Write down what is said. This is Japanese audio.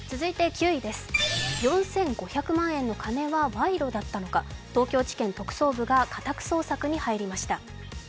９位、４５００万年のカネは賄賂だったのか、東京地検特捜部が家宅捜索に入りました。